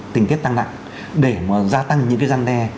tình tiết tăng nặng để mà gia tăng những cái gian đe